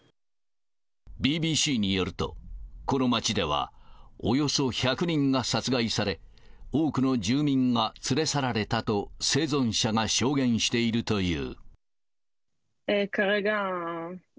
ＢＢＣによると、この街ではおよそ１００人が殺害され、多くの住民が連れ去られたと生存者が証言しているという。